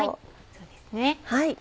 そうですね。